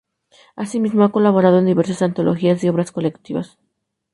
Así mismo ha colaborado en diversas antologías y obras colectivas.